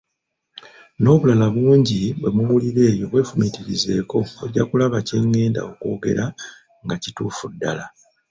N'obulala bungi bwe muwulira eyo bwefumiitirizeeko ojja kulaba kye ngenda okwogerako nga kituufu ddala.